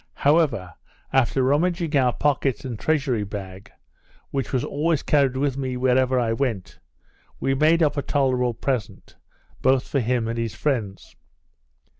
However, after rummaging our pockets, and treasury bag, which was always carried with me wherever I went, we made up a tolerable present, both for him and his friends.